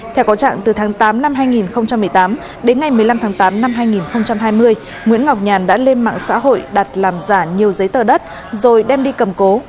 theo có trạng từ tháng tám năm hai nghìn một mươi tám đến ngày một mươi năm tháng tám năm hai nghìn hai mươi nguyễn ngọc nhàn đã lên mạng xã hội đặt làm giả nhiều giấy tờ đất rồi đem đi cầm cố